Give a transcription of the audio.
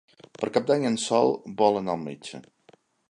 Per Cap d'Any en Sol vol anar al metge.